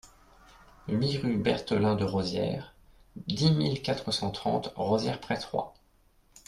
huit rue Berthelin de Rosières, dix mille quatre cent trente Rosières-près-Troyes